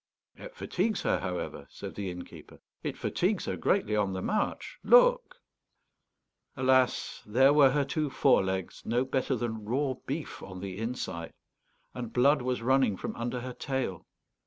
"It fatigues her, however," said the innkeeper; "it fatigues her greatly on the march. Look." Alas, there were her two forelegs no better than raw beef on the inside, and blood was running from under her tail.